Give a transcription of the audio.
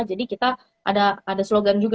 jadi kita ada ada slogan juga